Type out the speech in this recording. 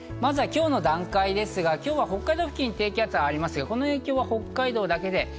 今日の段階ですが、北海道付近に低気圧がありますが、この影響は北海道だけ。